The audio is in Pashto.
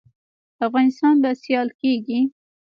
افغانستان به سیال کیږي